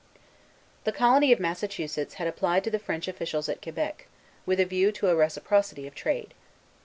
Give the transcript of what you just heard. The Colony of Massachusetts had applied to the French officials at Quebec, with a view to a reciprocity of trade.